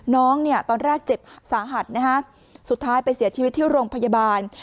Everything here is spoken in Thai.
น้องเนี่ยตอนแรกเจ็บสาหัสนะฮะสุดท้ายไปเสียชีวิตที่โรงพยาบาล